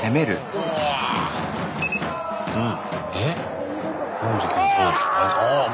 うん。